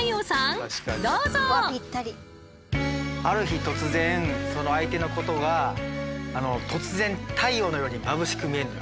ある日突然その相手のことが突然太陽のようにまぶしく見えるのよ。